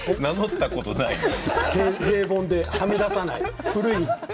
平凡ではみ出さない。